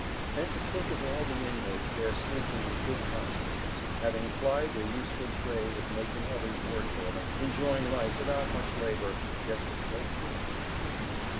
And to think of all the inmates there sleeping with good consciences, having plied their useful trade of making others work for them, enjoying life without much labor, yet with great renown!